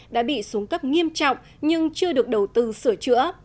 đã bị xuống cấp nghiêm trọng nhưng chưa được đầu tư sửa chữa